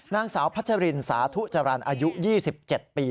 นางสาวพัชรินสาธุจรรย์อายุ๒๗ปี